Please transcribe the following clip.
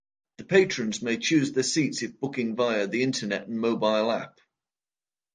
The patrons may choose their seats if booking via the Internet and mobile app.